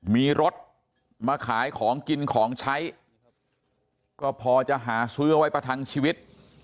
มีรถมาขายของกินของใช้ก็พอจะหาซื้อเอาไว้ประทังชีวิต